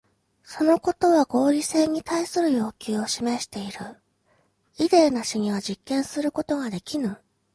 そのことは合理性に対する要求を示している。イデーなしには実験することができぬ。